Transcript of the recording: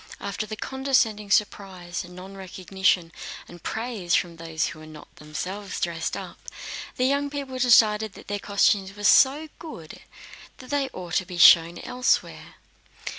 After the condescending surprise, nonrecognition, and praise, from those who were not themselves dressed up, the young people decided that their costumes were so good that they ought to be shown elsewhere.